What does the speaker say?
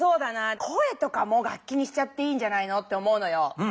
声とかも楽きにしちゃっていいんじゃないのって思うのよ。